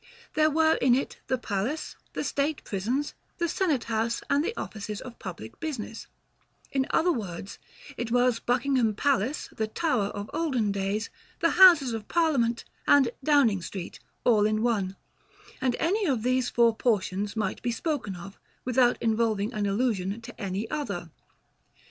There were in it the palace, the state prisons, the senate house, and the offices of public business; in other words, it was Buckingham Palace, the Tower of olden days, the Houses of Parliament, and Downing Street, all in one; and any of these four portions might be spoken of, without involving an allusion to any other.